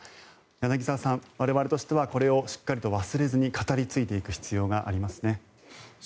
柳澤さん、我々としてはこれをしっかりと忘れずに語り継いでいく必要がありますね。